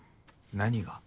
何が？